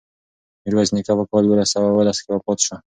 میرویس نیکه په کال یوولس سوه اوولس کې وفات شو.